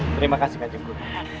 terima kasih kajengku